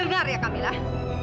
dengar ya kamilah